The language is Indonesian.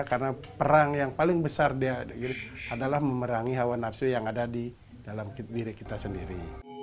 karena perang yang paling besar adalah memerangi hawa nafsu yang ada di dalam diri kita sendiri